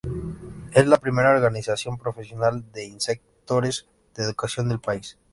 Es la primera organización profesional de inspectores de educación del país.